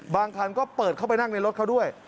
ทางด้านก็เปิดเข้าไปนั่งในรถก็ด้วย